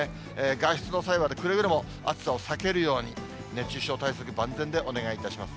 外出の際はくれぐれも暑さを避けるように、熱中症対策万全でお願いいたします。